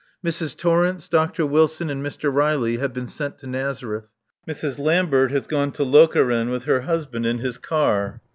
Mrs. Torrence, Dr. Wilson and Mr. Riley have been sent to Nazareth. Mrs. Lambert has gone to Lokeren with her husband in his car.